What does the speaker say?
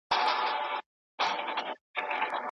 لوړ ادبي ذوق د څېړونکي علمي کار لا پسي ښکلی کوي.